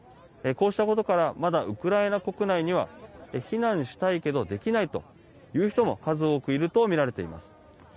こうしたことからまだウクライナ国内には避難したいけどできないという人も数多くいるとみられています。